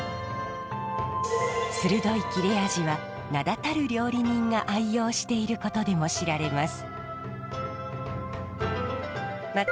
鋭い切れ味は名だたる料理人が愛用していることでも知られます。